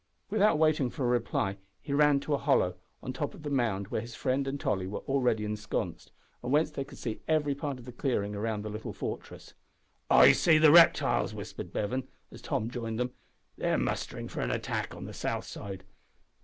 Without waiting for a reply, he ran to a hollow on the top of the mound where his friend and Tolly were already ensconced, and whence they could see every part of the clearing around the little fortress. "I see the reptiles," whispered Bevan, as Tom joined them. "They are mustering for an attack on the south side.